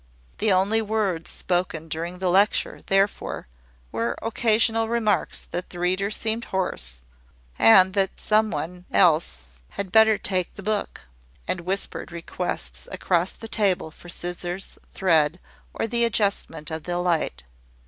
The only words spoken during the lecture, therefore, were occasional remarks that the reader seemed hoarse, and that some one else had better take the book; and whispered requests across the table for scissors, thread, or the adjustment of the light.